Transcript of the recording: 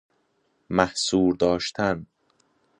محصور داشتن